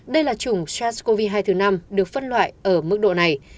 đây là chủng sars cov hai thứ năm được phân loại ở mức độ này